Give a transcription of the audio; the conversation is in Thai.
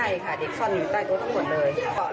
ใช่ค่ะเด็กซ่อนอยู่ใต้รถทั้งหมดเลย